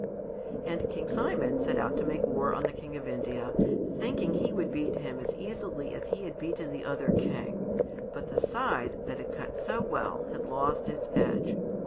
And King Simon set out to make war on the King of India, thinking he would beat him as easily as he had beaten the other king, but the scythe that had cut so well had lost its edge.